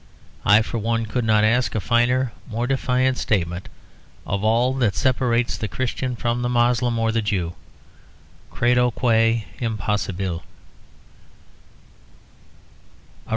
I for one could not ask for a finer or more defiant statement of all that separates the Christian from the Moslem or the Jew; credo quia impossibile.